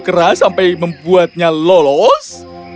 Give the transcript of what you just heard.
dan membuatnya lulus